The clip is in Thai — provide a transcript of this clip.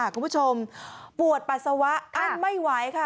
คุณผู้ชมปวดปัสสาวะอั้นไม่ไหวค่ะ